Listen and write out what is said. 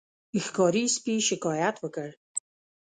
ښکاري سپي شکایت وکړ.